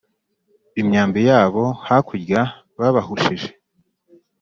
imyambi yabo hakurya babahushije